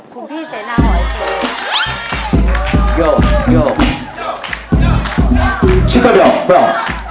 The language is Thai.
คุณพี่เซนาโอเค